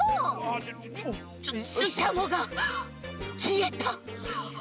ししゃもがきえた。